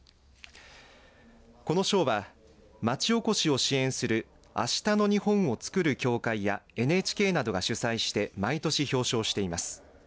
この賞は町おこしを支援するあしたの日本を創る協会やＮＨＫなどが主催して毎年表彰しています。